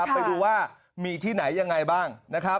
ไปดูว่ามีที่ไหนยังไงบ้างนะครับ